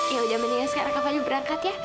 ya udah mendingan sekarang kak fadil berangkat ya